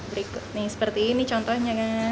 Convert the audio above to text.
berikut seperti ini contohnya